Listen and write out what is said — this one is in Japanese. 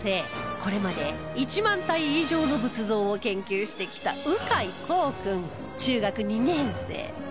これまで１万体以上の仏像を研究してきた鵜飼航君中学２年生